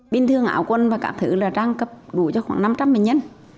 bình thường ảo quân và các thứ là trang cấp đủ cho khoảng năm trăm linh bệnh nhân